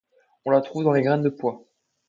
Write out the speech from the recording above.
On la trouve dans les graines de pois.